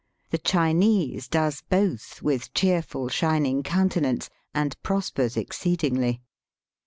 The <3hinese does both, with cheerful shining coun tenance, and prospers exceedingly.